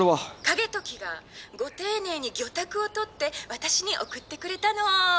「景時がご丁寧に魚拓を取って私に送ってくれたの」。